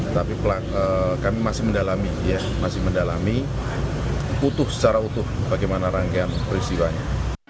tapi kami masih mendalami masih mendalami utuh secara utuh bagaimana rangkaian peristiwanya